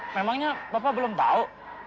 memangnya bapak belum bau